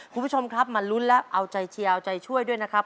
คุณผู้ชมครับมาลุ้นและเอาใจเชียวใจช่วยด้วยนะครับ